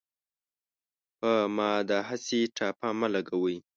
په ما داهسې ټاپه مه لګوۍ